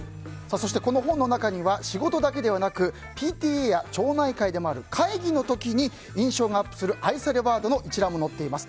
そしてこの本の中には仕事だけではなくＰＴＡや町内会でもある会議の時に印象がアップする愛されワードの一覧が載っています。